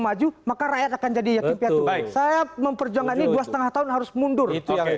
maju maka rakyat akan jadi yatim piatu saya memperjuangkan ini dua setengah tahun harus mundur